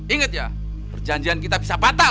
ingat ya perjanjian kita bisa patah